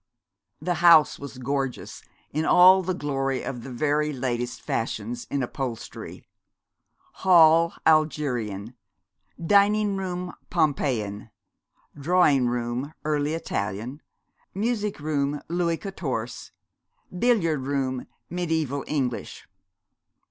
_' The house was gorgeous in all the glory of the very latest fashions in upholstery; hall Algerian; dining room Pompeian; drawing room Early Italian; music room Louis Quatorze; billiard room mediæval English.